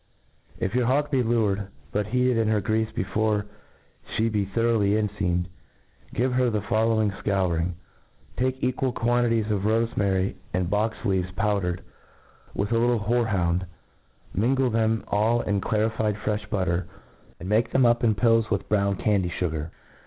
If your hawk be lured, but heated in her greafe before flis be thoroughly enfeamed, giv? her the following fcouring : Take equal quan* titles of rofemary and box leaves powdered, with a little horej^ound; mingle them all in clarified frefli butter, and make them up in pills with brown candy fugar.